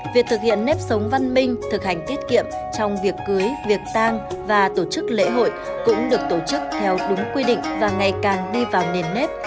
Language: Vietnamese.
việc thực hiện nếp sống văn minh thực hành tiết kiệm trong việc cưới việc tang và tổ chức lễ hội cũng được tổ chức theo đúng quy định và ngày càng đi vào nền nếp